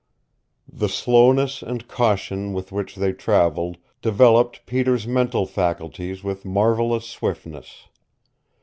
The slowness and caution with which they traveled developed Peter's mental faculties with marvelous swiftness.